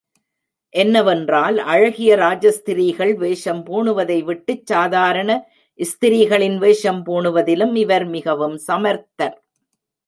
என்னவென்றால், அழகிய ராஜஸ் திரீகள் வேடம் பூணுவதை விட்டுச் சாதாரண ஸ்திரீகளின் வேஷம் பூணுவதிலும் இவர் மிகவும் சமர்த்தர்.